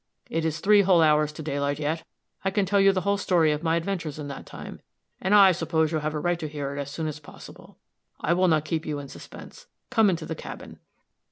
It is three whole hours to daylight yet. I can tell you the whole story of my adventures in that time, and I suppose you have a right to hear it as soon as possible. I will not keep you in suspense. Come into the cabin."